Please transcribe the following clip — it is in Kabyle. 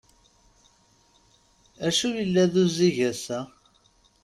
D acu yella d uzzig ass-a?